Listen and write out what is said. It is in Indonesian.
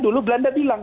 dulu belanda bilang